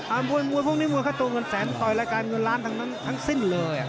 อ้าวมวยพวกนี้มวยแค่ตัวเงินแสนต่อยรายการเงินล้านทั้งสิ้นเลย